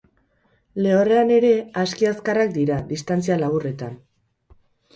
Lehorrean ere aski azkarrak dira, distantzia laburretan.